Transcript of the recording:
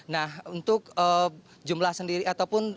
nah untuk jumlah sendiri ataupun